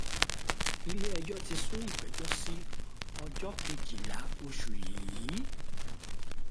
Ilé ẹjọ́ ti sún ìgbẹ́jọ́ sí ọjọ́ kejìlá oṣù yìí.